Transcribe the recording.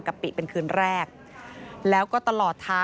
นั่งรถมากับสถาบันนิติเวทวิทยา